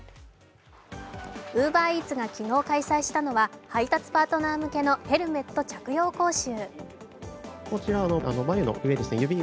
ＵｂｅｒＥａｔｓが昨日開催したのは配達パートナー向けのヘルメット着用講習。